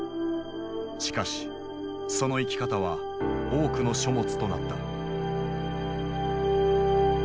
しかしその生き方は多くの書物となった。